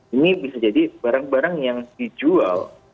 hmm artinya ini bisa jadi barang barang yang dijual